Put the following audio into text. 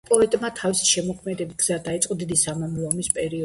პოეტმა თავისი შემოქმედებითი გზა დაიწყო დიდი სამამულო ომის პერიოდიდან.